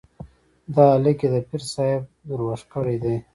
دا هلک يې د پير صاحب دروږ کړی دی.